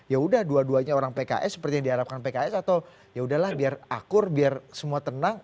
ya udah dua duanya orang pks seperti yang diharapkan pks atau yaudahlah biar akur biar semua tenang